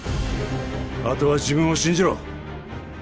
あとは自分を信じろ！